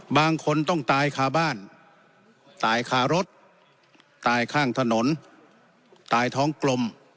บางคนต้องตายคาบ้านตายคารถตายข้างถนนตายท้องกลม